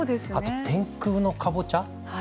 天空のかぼちゃ